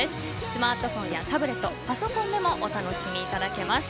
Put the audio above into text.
スマートフォンやタブレットパソコンでもお楽しみいただけます。